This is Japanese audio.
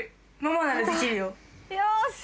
よし！